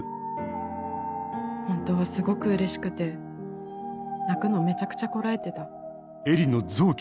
本当はすごくうれしくて泣くのめちゃくちゃこらえてた。